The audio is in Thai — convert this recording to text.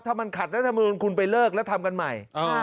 ถ้ามันขัดรัฐมนุนคุณไปเลิกแล้วทำกันใหม่